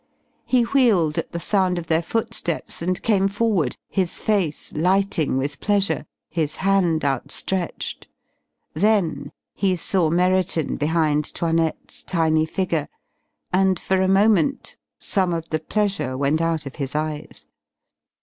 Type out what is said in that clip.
He wheeled at the sound of their footsteps and came forward, his face lighting with pleasure, his hand outstretched. Then he saw Merriton behind 'Toinette's tiny figure, and for a moment some of the pleasure went out of his eyes.